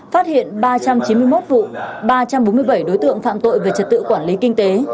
phát hiện ba trăm chín mươi một vụ ba trăm bốn mươi bảy đối tượng phạm tội về trật tự quản lý kinh tế